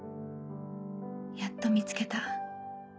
やっと見つけた。